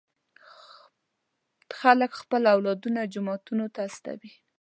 خلک خپل اولادونه جوماتونو ته استوي.